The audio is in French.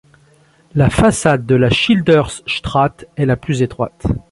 La façade de la Schildersstraat est la plus étroite.